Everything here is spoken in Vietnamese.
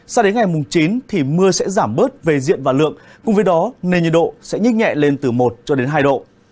sao đến ngày chín thì mưa sẽ giảm bớt về diện và lượng cùng với đó nền nhiệt độ sẽ nhích nhẹ lên từ một hai độ